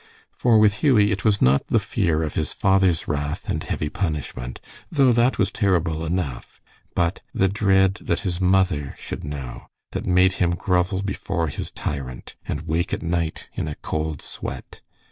For with Hughie it was not the fear of his father's wrath and heavy punishment, though that was terrible enough, but the dread that his mother should know, that made him grovel before his tyrant, and wake at night in a cold sweat.